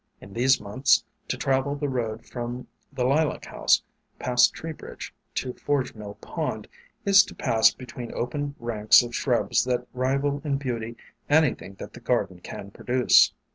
In these months, to travel the road from the Lilac House past Tree bridge to the 280 WAYFARERS Forge Mill Pond, is to pass between open ranks of shrubs that rival in beauty anything that the garden can produce.